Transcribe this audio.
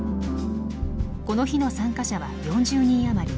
この日の参加者は４０人余り。